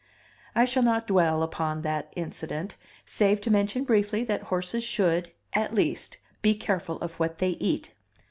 I shall not dwell upon that incident, save to mention briefly that horses should, at least, be careful of what they eat.